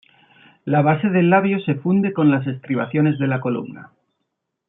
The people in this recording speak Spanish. La base del labio se funde con las estribaciones de la columna.